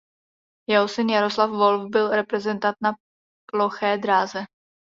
Jeho syn Jaroslav Volf byl reprezentant na ploché dráze.